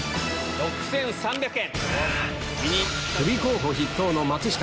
６３００円。